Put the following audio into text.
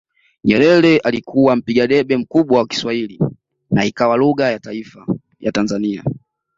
Nyerere alikuwa mpiga debe mkubwa wa Kiswahili na ikawa lugha ya taifa ya Tanzania